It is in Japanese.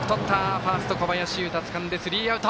ファースト、小林優太つかんでスリーアウト。